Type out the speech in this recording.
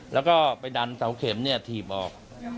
แล้วก็ไปดันเสาเข็มถีบออก